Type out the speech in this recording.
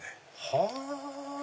はぁ。